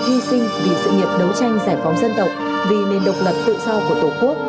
hy sinh vì sự nghiệp đấu tranh giải phóng dân tộc vì nền độc lập tự do của tổ quốc